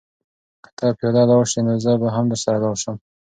که ته پیاده لاړ شې نو زه به هم درسره لاړ شم.